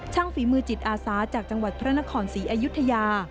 ฝีมือจิตอาสาจากจังหวัดพระนครศรีอยุธยา